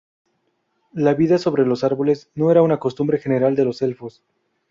La vida sobre los árboles no era una costumbre general de los elfos.